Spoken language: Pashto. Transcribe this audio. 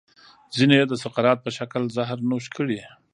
ځینو یې د سقراط په شکل زهر نوش کړي.